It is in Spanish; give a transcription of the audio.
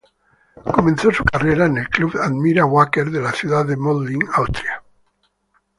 Comenzó su carrera en el club Admira Wacker de la ciudad de Mödling, Austria.